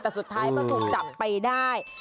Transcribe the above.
แต่สุดท้ายก็ถูกจับไปได้